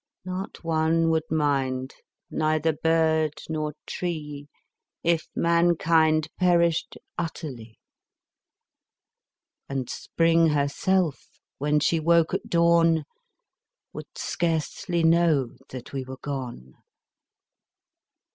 Not one would mind, neither bird nor tree If mankind perished utterly; And Spring herself, when she woke at dawn, Would scarcely know that we were gone.